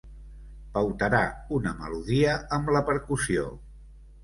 Pautarà una melodia amb la percussió.